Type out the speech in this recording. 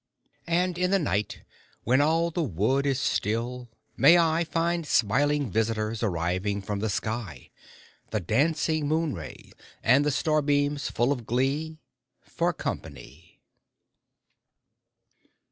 [ 37] And in the night, when all the wood is still, may I Find smiling visitors arriving from the sky The dancing moon rays, and the star beams full of glee For company!